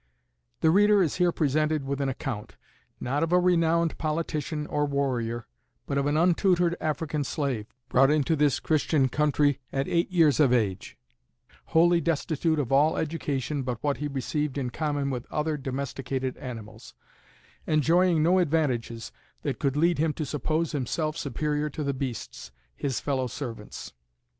The reader is here presented with an account, not of a renowned politician or warrior, but of an untutored African slave, brought into this Christian country at eight years of age, wholly destitute of all education but what he received in common with other domesticated animals, enjoying no advantages that could lead him to suppose himself superior to the beasts, his fellow servants.